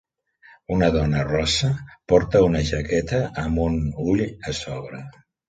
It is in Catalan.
Una dona rossa porta una jaqueta amb un ull a sobre.